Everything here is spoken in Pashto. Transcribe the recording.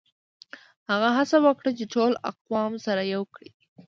هغه هڅه وکړه چي ټول اقوام سره يو کړي.